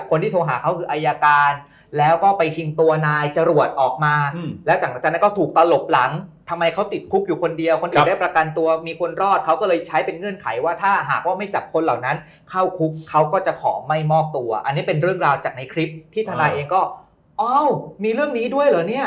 คนที่โทรหาเขาคืออายการแล้วก็ไปชิงตัวนายจรวดออกมาแล้วจากหลังจากนั้นก็ถูกตลบหลังทำไมเขาติดคุกอยู่คนเดียวคนอื่นได้ประกันตัวมีคนรอดเขาก็เลยใช้เป็นเงื่อนไขว่าถ้าหากว่าไม่จับคนเหล่านั้นเข้าคุกเขาก็จะขอไม่มอบตัวอันนี้เป็นเรื่องราวจากในคลิปที่ทนายเองก็อ้าวมีเรื่องนี้ด้วยเหรอเนี่ย